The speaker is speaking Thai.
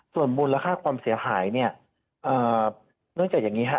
ส่วนมูลค่าความเสียหายเนี่ยเนื่องจากอย่างนี้ฮะ